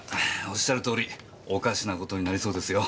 おっしゃるとおりおかしな事になりそうですよ。